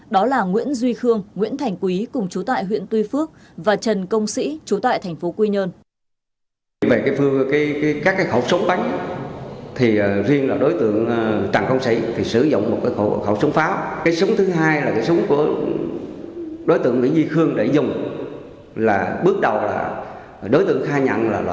đó là nguyễn duy khương nguyễn thành quý cùng chú tại huyện tuy phước và trần công sĩ chú tại thành phố quy nhơn